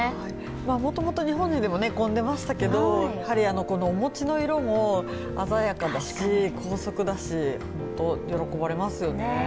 もともと日本でもありましたけれども鮮やかだし高速だし、本当に喜ばれますよね。